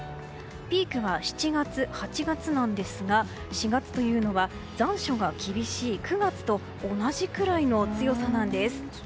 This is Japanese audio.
ピークは７月、８月なんですが４月というのは残暑が厳しい９月と同じくらいの強さなんです。